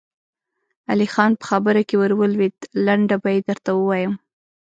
علی خان په خبره کې ور ولوېد: لنډه به يې درته ووايم.